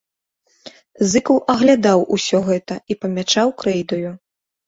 Зыкаў аглядаў усё гэта і памячаў крэйдаю.